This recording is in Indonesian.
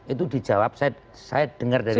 itu dijawab saya dengar dari